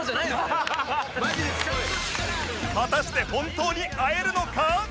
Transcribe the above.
果たして本当に会えるのか！？